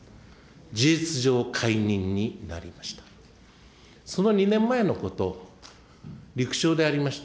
事実上、解任になりました。